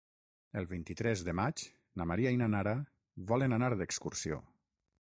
El vint-i-tres de maig na Maria i na Nara volen anar d'excursió.